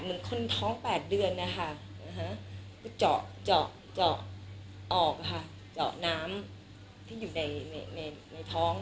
เหมือนคนท้อง๘เดือนจอกออกค่ะจอกน้ำที่อยู่ในท้อง